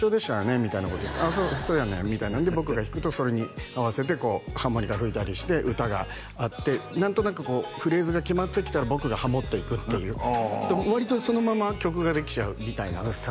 みたいなこと言うと「ああそうやねん」みたいなので僕が弾くとそれに合わせてハーモニカ吹いたりして歌があって何となくこうフレーズが決まってきたら僕がハモっていくっていう割とそのまま曲ができちゃうみたいなぐっさん